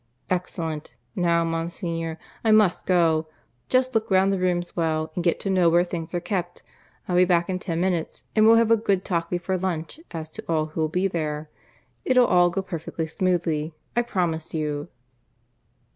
"Excellent. Now, Monsignor, I must go. Just look round the rooms well, and get to know where things are kept. I'll be back in ten minutes, and we'll have a good talk before lunch as to all who'll be there. It'll all go perfectly smoothly, I promise you."